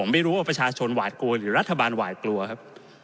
ไม่รู้ว่าประชาชนหวาดกลัวหรือรัฐบาลหวาดกลัวครับ